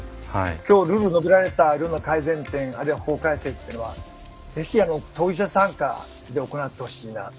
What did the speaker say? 今日述べられたような改善点あるいは法改正っていうのはぜひ当事者参加で行ってほしいなと。